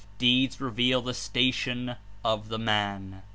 Deeds reveal the station of the man.'